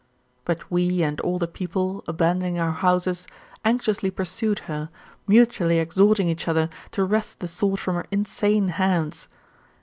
But we and all the people, abandoning our houses, anxiously pursued her, mutually exhorting each other to wrest the sword from her insane hands.